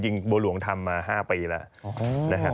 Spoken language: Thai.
จริงโบลวงทำมา๕ปีแล้ว